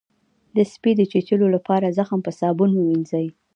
د سپي د چیچلو لپاره زخم په صابون ووینځئ